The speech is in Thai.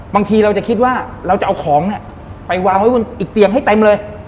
บางทีเราจะคิดว่าเราจะเอาของเนี่ยไปวางไว้บนอีกเตียงให้เต็มเลย